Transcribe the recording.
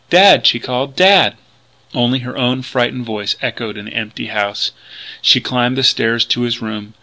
"Dad!" she called, "Dad!" Only her own frightened voice echoed in the empty house. She climbed the stairs to his room.